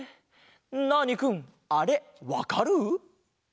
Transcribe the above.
ナーニくんあれわかる？